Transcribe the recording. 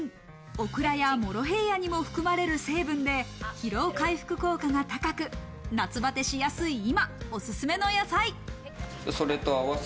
オクラやモロヘイヤにも含まれる成分で、疲労回復効果が高く、夏バテしやすい今、おすすめの野菜。